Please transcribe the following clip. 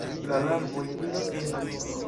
La larvoj vivas en la grundo.